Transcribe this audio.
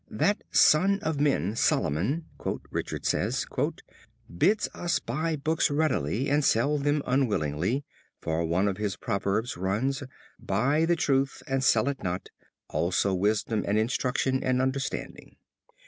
"That sun of men, Solomon," Richard says, "bids us buy books readily and sell them unwillingly, for one of his proverbs runs, 'Buy the truth and sell it not, also wisdom and instruction and understanding.'"